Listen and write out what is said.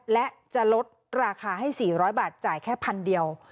และจะลดราคาให้๔๐๐บาทจ่ายแค่พันเดียว